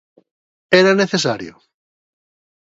¿Era necesario?